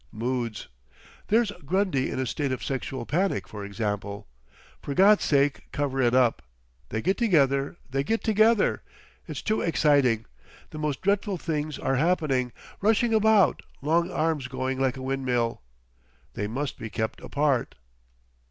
Moods! There's Grundy in a state of sexual panic, for example,—'For God's sake cover it up! They get together—they get together! It's too exciting! The most dreadful things are happening!' Rushing about—long arms going like a windmill. 'They must be kept apart!